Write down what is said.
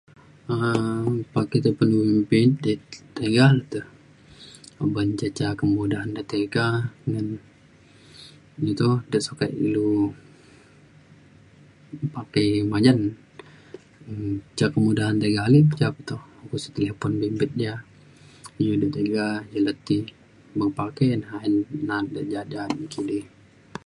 um [unintelligible] tiga le te uban je ca kemudahan de tiga ngan ja toh de sukat ilu pape manyen um ca kemudahan tiga ale ca pe toh uko sik talipon bimbit ja iu de tiga ilu ti me pake na ayen na’at de ja’at ja’at nekidi.